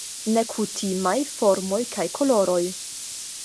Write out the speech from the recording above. Nekutimaj formoj kaj koloroj.